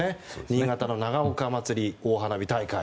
新潟の長岡まつり大花火大会。